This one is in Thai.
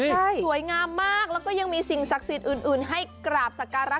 สวยงามมากและก็ยังมีสิ่งสักสิทธิ์อื่นให้กราบสการะ